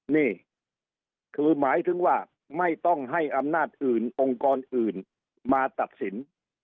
นี่คือหมายถึงว่าไม่ต้องให้อำนาจอื่นองค์กรอื่นมาตัดสิน